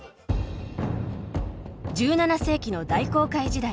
１７世紀の大航海時代